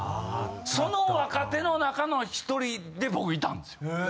その若手の中の１人で僕いたんですよ。